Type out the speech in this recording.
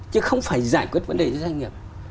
chứ không phải giải quyết vấn đề cho doanh nghiệp